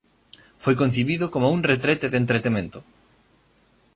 Foi concibido coma un retrete de entretemento.